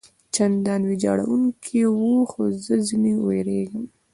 چندان ویجاړوونکي وي، خو زه ځنې وېرېږم.